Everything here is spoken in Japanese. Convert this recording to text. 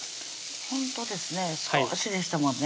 ほんとですね少しでしたもんね